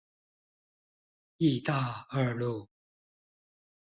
義大二路